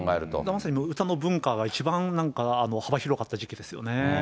まさに歌の文化が、一番なんか幅広かった時期ですよね。